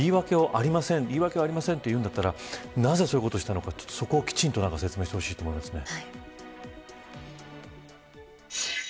言い訳はありませんと言うんだったらなぜ、そういうことをしたのかそこをきちんと説明してほしいと思いますね。